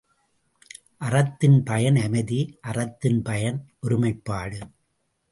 அறத்தின் பயன் அமைதி, அறத்தின் பயன் ஒருமைப்பாடு.